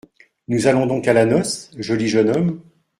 Nous allons donc à la noce, joli jeune homme ?…